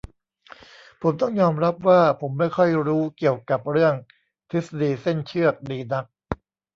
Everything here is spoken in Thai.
ผมต้องยอมรับว่า ผมไม่ค่อยรู้เกี่ยวกับเรื่อง ทฤษฎีเส้นเชือก ดีนัก